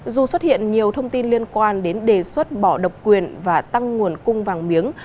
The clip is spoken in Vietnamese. dù xuất hiện nhiều thông tin liên quan đến đề xuất bỏ độc quyền và tăng nguồn cung vàng miếng